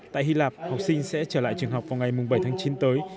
tại hy lạp học sinh sẽ trở lại trường học vào ngày bảy tháng chín tới